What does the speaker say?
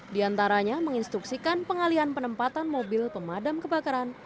di antaranya menginstruksikan pengalian penempatan mobil pemadam kebakaran